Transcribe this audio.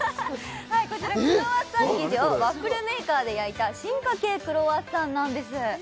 こちらクロワッサン生地をワッフルメーカーで焼いた進化系クロワッサンなんです